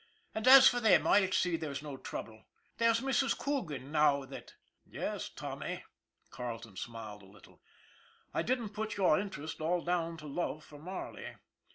" And as for them, I'll see there's no trouble. There's Mrs. Coogan now that " "Yes, Tommy " Carleton smiled a little"! didn't put your interest all down to love for Marley."